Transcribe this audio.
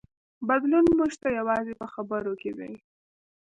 بدلون موږ ته یوازې په خبرو کې دی.